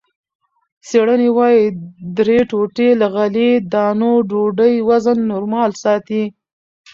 څېړنې وايي، درې ټوټې له غلې- دانو ډوډۍ وزن نورمال ساتي.